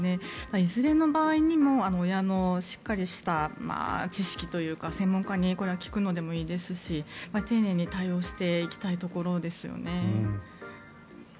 いずれの場合にも親のしっかりした知識というか専門家に聞くのでもいいですし丁寧に対応していきたいところですよね。